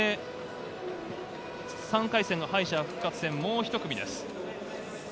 ３回戦の敗者復活戦もう１組です。